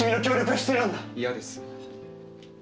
嫌です。